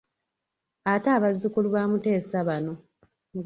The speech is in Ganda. Ate abazzukulu ba Muteesa bano.